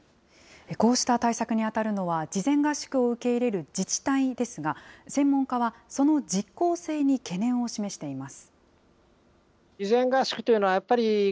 こうした対策に当たるのは、事前合宿を受け入れる自治体ですが、専門家は、その実効性に懸念を示しています。